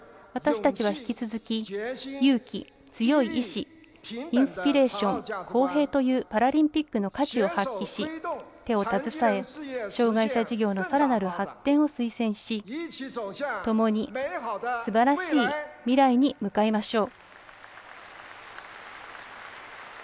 私たちは引き続き勇気、強い意志インスピレーション公平というパラリンピックの価値を発揮し手を携え障がい者事業のさらなる発展を推進し、ともにすばらしい未来に向かいましょう。